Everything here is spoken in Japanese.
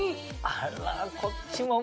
あらこっちも。